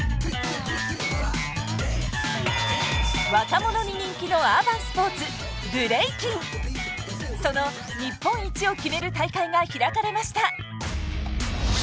若者に人気のアーバンスポーツその日本一を決める大会が開かれました。